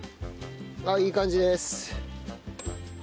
あっいい感じです。